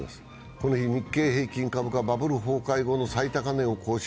この日、日経平均株価、バブル崩壊後の最高値を更新。